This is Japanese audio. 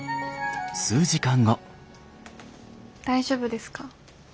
大丈夫ですか？